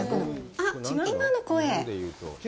あっ、今の声。